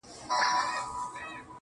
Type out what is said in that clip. هغه چي ځان زما او ما د ځان بولي عالمه~